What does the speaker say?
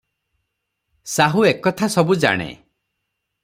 ସାହୁ ଏକଥା ସବୁ ଜାଣେ ।